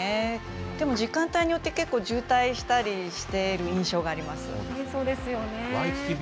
でも時間帯によって、結構渋滞してる印象があります。